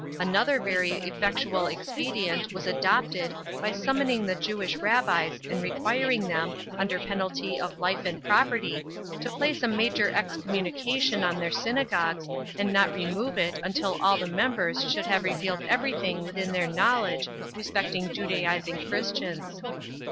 Another very effectual expedient was adopted by summoning the Jewish rabbis and requiring them, under penalty of life and property, to place a major excommunication on their syna gogues and not remove it until all the members should have revealed everything within their knowledge respecting Judaizing Christians.